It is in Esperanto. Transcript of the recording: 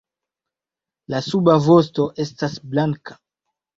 La suba vosto estas blanka.